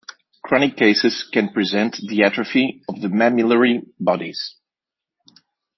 Chronic cases can present the atrophy of the mammillary bodies.